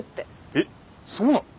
えっそうなの？